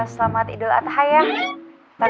selamat idul adha ya